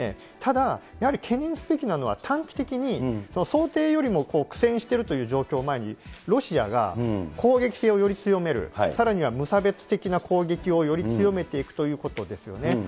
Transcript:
ただ、やはり懸念すべきなのは、短期的に想定よりも苦戦しているという状況を前に、ロシアが攻撃性をより強める、さらには無差別的な攻撃をより強めていくということですよね。